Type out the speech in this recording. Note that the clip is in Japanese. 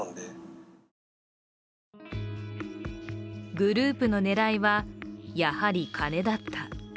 グループの狙いは、やはり金だった。